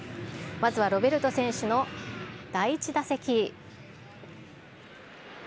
まずはロベルト選手の第１打席。